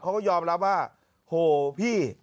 เขาก็ยอมรับว่าโหพี่